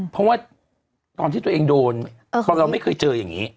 เพราะว่าตอนที่ตัวเองโดนเราไม่เคยเจออย่างนี้